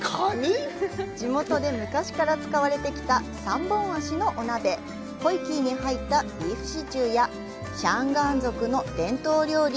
地元で昔から使われてきた３本足のお鍋、ポイキーに入ったビーフシチューやシャンガーン族の伝統料理。